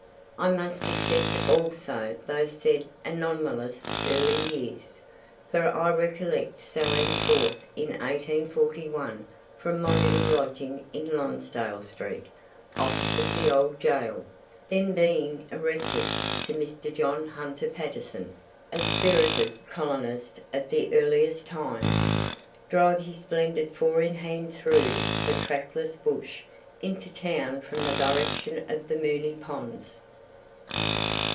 I must except also those said anomalous early years, for I recollect sallying forth in 1841 from my little lodging in Lonsdale street, opposite the old gaol, then being erected, to see Mr. John Hunter Patterson, a spirited colonist of the earliest times, drive his splendid four in hand through the trackless bush into town from the direction of the Moonee Ponds.